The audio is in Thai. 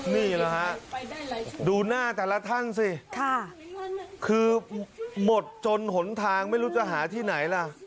นี่แหละฮะดูหน้าแต่ละท่านสิคือหมดจนหนทางไม่รู้จะหาที่ไหนล่ะ